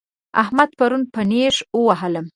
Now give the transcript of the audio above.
احمد پرون په نېښ ووهلم